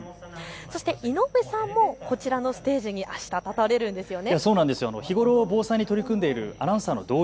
そして井上さんもこちらのステージにあした立たれるんですよね。